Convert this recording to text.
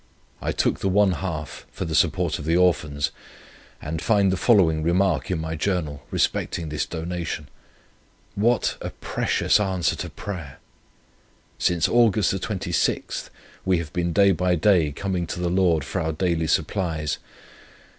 I took the one half for the support of the Orphans, and find the following remark in my journal respecting this donation: 'What a precious answer to prayer!' Since Aug. 26th we have been day by day coming to the Lord for our daily supplies.